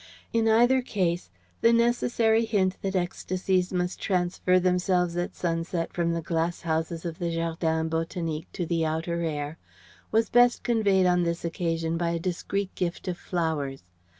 In either case, the necessary hint that ecstasies must transfer themselves at sunset from the glass houses of the Jardin Botanique to the outer air was best conveyed on this occasion by a discreet gift of flowers.